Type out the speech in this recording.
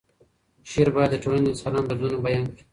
شعر باید د ټولنې د انسانانو دردونه بیان کړي.